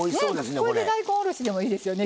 これで大根おろしでもいいですよね。